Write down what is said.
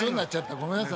ごめんなさいね。